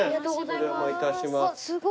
お邪魔いたします。